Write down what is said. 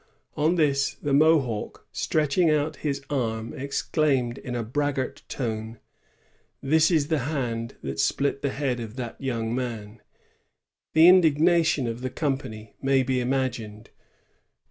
On this the Mohawk, stretching out his arm, exclaimed in a braggart tone, ^' This is the hand that split the head of that young man." The indig nation of the company may be imagined.